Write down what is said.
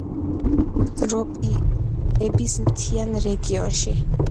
ტროპიკების მთიან რაიონებში.